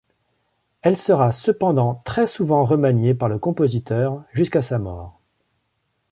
Elle sera cependant très souvent remaniée par le compositeur jusqu'à sa mort.